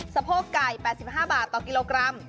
สะโพกไก่๘๕บาทต่อกิโลกรัม